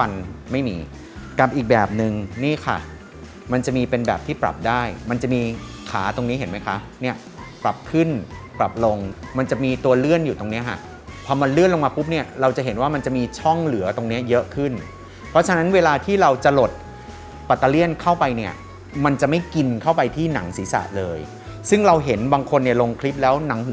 มันไม่มีกับอีกแบบนึงนี่ค่ะมันจะมีเป็นแบบที่ปรับได้มันจะมีขาตรงนี้เห็นไหมคะเนี่ยปรับขึ้นปรับลงมันจะมีตัวเลื่อนอยู่ตรงเนี้ยค่ะพอมันเลื่อนลงมาปุ๊บเนี่ยเราจะเห็นว่ามันจะมีช่องเหลือตรงเนี้ยเยอะขึ้นเพราะฉะนั้นเวลาที่เราจะหลดปัตเตอร์เลี่ยนเข้าไปเนี่ยมันจะไม่กินเข้าไปที่หนังศีรษะเลยซึ่งเราเห็นบางคนเนี่ยลงคลิปแล้วหนัง